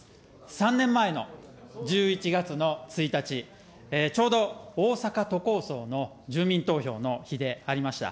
３年前の１１月の１日、ちょうど大阪都構想の住民投票の日でありました。